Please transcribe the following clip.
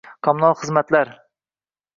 kommunal xizmatlar